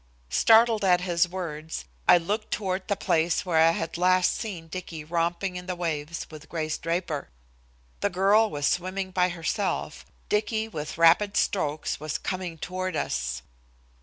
Startled at his words, I looked toward the place where I had last seen Dicky romping in the waves with Grace Draper. The girl was swimming by herself. Dicky, with rapid strokes, was coming toward us.